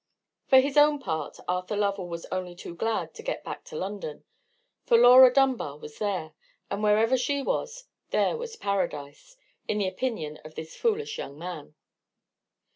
For his own part, Arthur Lovell was only too glad to get back to London; for Laura Dunbar was there: and wherever she was, there was Paradise, in the opinion of this foolish young man.